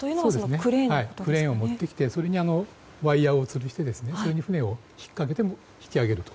クレーンを持ってきてそれでワイヤをつるしてそれに船をひっかけて引き揚げる。